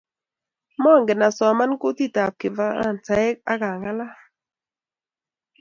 Mangen asoman kutitab kifaransaik ak angalal